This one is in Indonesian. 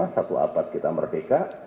satu abad kita merdeka